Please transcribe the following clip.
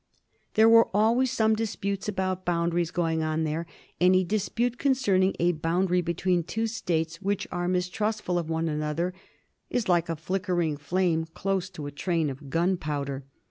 There were always some disputes about boundaries going on there; and a dis pute concerning a boundary between two States which are mistrustful of one another is like a flickering flame close to a train of gunpowder.